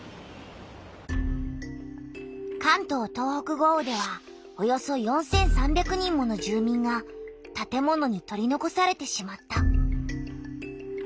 関東・東北豪雨ではおよそ４３００人もの住みんがたて物に取りのこされてしまった。